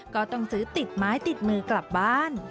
ก็ต้องซื้อติดไม้ติดมือกลับบ้าน